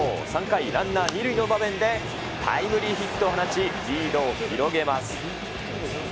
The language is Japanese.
３回、ランナー２塁の場面でタイムリーヒットを放ち、リードを広げます。